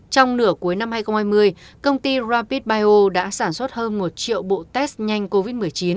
trong nửa cuối năm hai nghìn hai mươi công ty rapid bio đã sản xuất hơn một triệu bộ test nhanh covid một mươi chín